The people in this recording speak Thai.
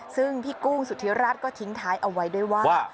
ซึ่งพี่กุ้งสุธิราชก็ทิ้งท้ายเอาไว้ด้วยว่า